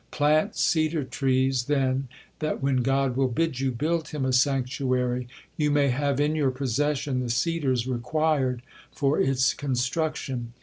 Plant cedar trees, then, that when God will bid you build Him a sanctuary, you may have in your possession the cedars required for its construction."